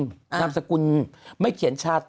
สามวันก็จะรู้ว่ายาที่ไปเจอในบ้านใหญ่ปุ๊บ